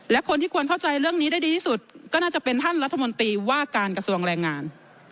และคนที่ควรเข้าใจเรื่องนี้ได้ดีที่สุดก็น่าจะเป็นท่านรัฐมนตรีว่าการกระทรวงแรงงาน